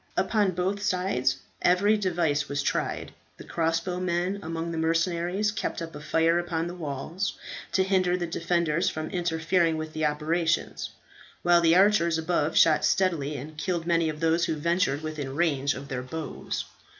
Upon both sides every device was tried. The cross bow men among the mercenaries kept up a fire upon the walls to hinder the defenders from interfering with the operations, while the archers above shot steadily, and killed many of those who ventured within range of their bows.